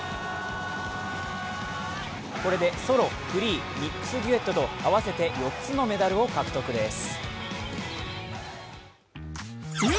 こでソロ、フリー、ミックスデュエットと合わせて４つのメダルを獲得です。